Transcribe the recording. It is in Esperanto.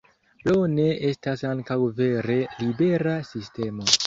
Plone estas ankaŭ vere libera sistemo.